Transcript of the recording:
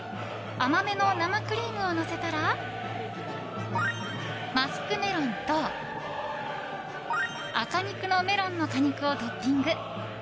甘めの生クリームをのせたらマスクメロンと赤肉のメロンの果肉をトッピング。